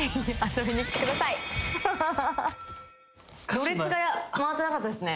ろれつが回ってなかったですね。